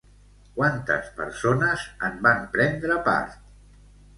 Quantes persones en van prendre part?